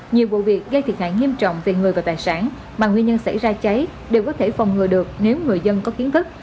nhiều vụ việc gây thiệt hại nghiêm trọng về người và tài sản mà nguyên nhân xảy ra cháy đều có thể phòng ngừa được nếu người dân có kiến thức